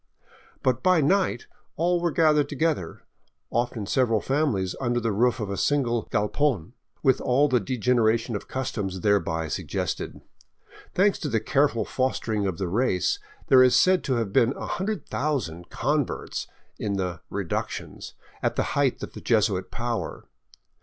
But by night all were gathered together, often several families under the roof of a single galpon, with all the degeneration of customs thereby sug gested. Thanks to the careful fostering of the race, there is said to have been 100,000 " converts " in the " reductions '* at the height of Jesuit power.